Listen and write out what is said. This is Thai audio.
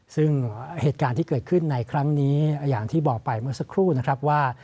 ซึ่งเหตุการณ์ที่เกิดขึ้นในครั้งนี้อย่างที่บอกไปเมื่อสักครู่นะครับว่า